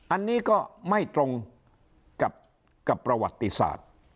อันนี้ก็ไม่ตรงกับประวัติศาสตร์